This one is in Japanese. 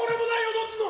どうすんの？